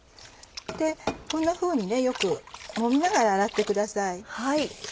こんなふうによくもみながら洗ってください。